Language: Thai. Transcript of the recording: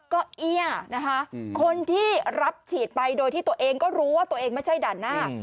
ก็เอี้ยนะคะคนที่รับฉีดไปโดยที่ตัวเองก็รู้ว่าตัวเองไม่ใช่ด่านหน้า